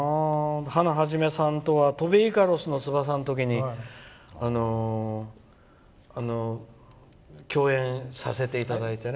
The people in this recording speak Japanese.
ハナ肇さんとは「翔べイカロスの翼」の時に共演させていただいてね。